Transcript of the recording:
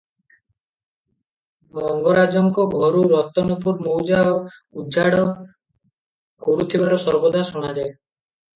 ମଙ୍ଗରାଜଙ୍କ ଗୋରୁ ରତନପୁର ମୌଜା ଉଜାଡ଼ କରୁଥିବାର ସର୍ବଦା ଶୁଣାଯାଏ ।